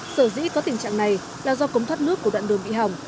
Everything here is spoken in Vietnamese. sở dĩ có tình trạng này là do cống thoát nước của đoạn đường bị hỏng